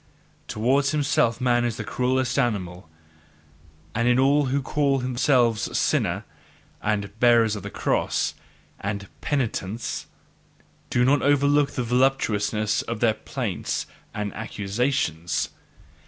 Towards himself man is the cruellest animal; and in all who call themselves "sinners" and "bearers of the cross" and "penitents," do not overlook the voluptuousness in their plaints and accusations!